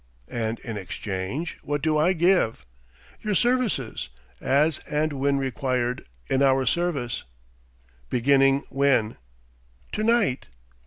"And in exchange what do I give?" "Your services, as and when required, in our service." "Beginning when?" "To night."